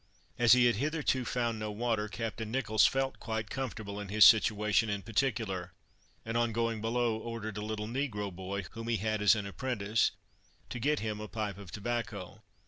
As he had hitherto found no water, Captain Nicholls felt quite comfortable in his situation in particular, and, on going below, ordered a little negro boy, whom he had as an apprentice, to get him a pipe of tobacco.